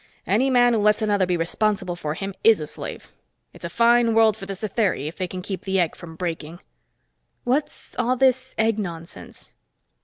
Any man who lets another be responsible for him is a slave. It's a fine world for the Satheri, if they can keep the egg from breaking." "What's all this egg nonsense?"